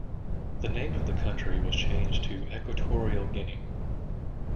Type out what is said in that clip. The name of the country was changed to Equatorial Guinea.